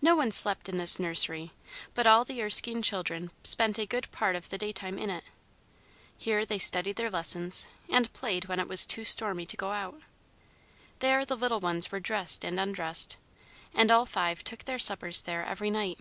No one slept in this nursery, but all the Erskine children spent a good part of the daytime in it. Here they studied their lessons, and played when it was too stormy to go out; there the little ones were dressed and undressed, and all five took their suppers there every night.